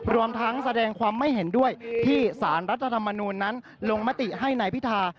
รวมทั้งแสดงความไม่เห็นด้วยที่สารรัฐธรรมนูลนั้นลงมติให้นายพิธา